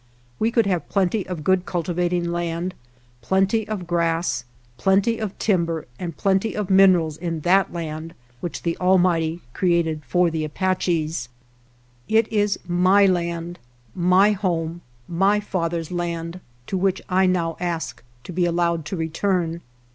We could have plenty of good cultivating land, plenty of grass, plenty of timber and plenty of minerals in that land which the Almighty created for the Apaches. It is my land, my home, my fathers' land, to which I now ask to be allowed to return.